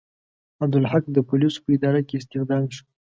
عبدالحق د پولیسو په اداره کې استخدام شو.